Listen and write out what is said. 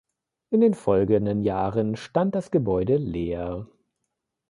In den folgenden Jahren stand das Gebäude leer.